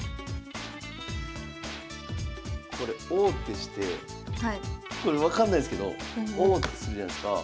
これ王手してこれ分かんないですけど王手するじゃないすか。